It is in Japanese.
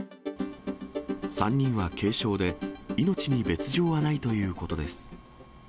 ３人は軽傷で、命に別状はないということです。